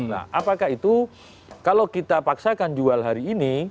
nah apakah itu kalau kita paksakan jual hari ini